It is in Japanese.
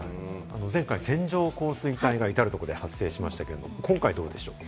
前回線状降水帯が至るところで発生しましたけれども、今回はどうでしょうか？